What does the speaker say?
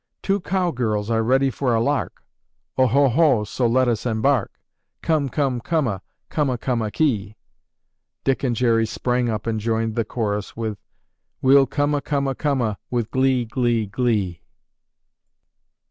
"Two cowgirls are ready for a lark. Oho ho, so let us embark. Come, come, coma, Coma, coma, kee." Dick and Jerry sprang up and joined the chorus with: "We'll coma, coma, coma With glee, glee, glee."